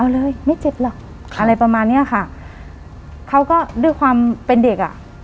เอาเลยไม่เจ็บหรอกอะไรประมาณเนี้ยค่ะเขาก็ด้วยความเป็นเด็กอ่ะ